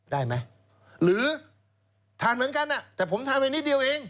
ได้ไหมหรือทานเหมือนกันแต่ผมทานไปนิดเดียวเอง